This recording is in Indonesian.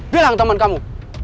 bilang temen kamu